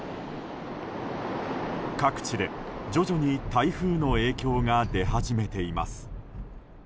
各地で徐々に台風の影響が出始めています。